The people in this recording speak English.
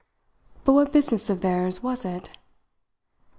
But what business of theirs was it?